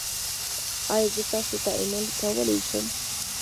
ایا زه تاسو ته ایمیل کولی شم؟